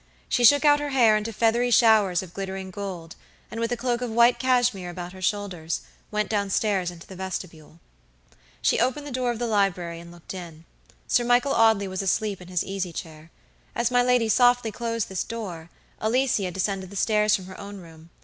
She shook out her hair into feathery showers of glittering gold, and, with a cloak of white cashmere about her shoulders, went down stairs into the vestibule. She opened the door of the library and looked in. Sir Michael Audley was asleep in his easy chair. As my lady softly closed this door Alicia descended the stairs from her own room.